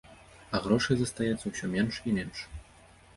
А грошай застаецца ўсё менш і менш.